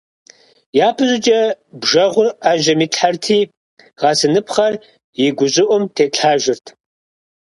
ЯпэщӀыкӀэ бжэгъур Ӏэжьэм итлъхьэрти, гъэсыныпхъэр и гущӀыӀум тетлъхьэжырт.